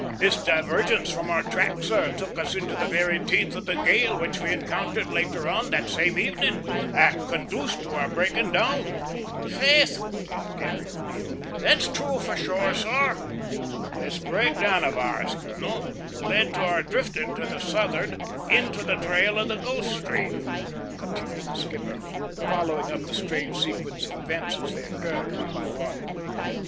This divergence from our track, sir, took us into the very teeth of the gale which we encountered later on, that same evening, and conduced to our breaking down." "Faith," put in Garry O'Neil, "that's thrue for sure, sor!" "This breakdown of ours, colonel, led to our drifting to the southward into the trail of the Gulf Stream," continued the skipper, following up the strange sequence of events as they occurred, one by one.